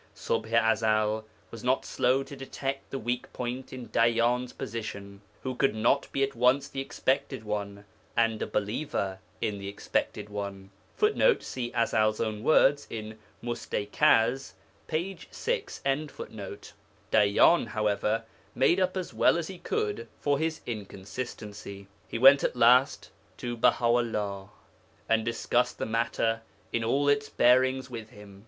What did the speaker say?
Ṣubḥ i Ezel was not slow to detect the weak point in Dayyan's position, who could not be at once the Expected One and a believer in the Expected One. [Footnote: See Ezel's own words in Mustaikaz, p. 6.] Dayyan, however, made up as well as he could for his inconsistency. He went at last to Baha 'ullah, and discussed the matter in all its bearings with him.